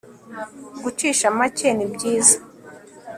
gucisha make ni byiza